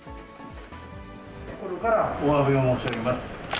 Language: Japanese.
心からおわびを申し上げます。